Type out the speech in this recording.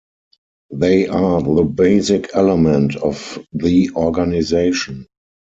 They are the basic element of the organization.